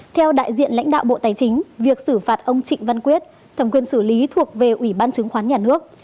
theo đại diện lãnh đạo bộ tài chính việc xử phạt ông trịnh văn quyết thẩm quyền xử lý thuộc về ủy ban chứng khoán nhà nước